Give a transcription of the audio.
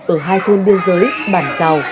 ở hai thôn biên giới bản cào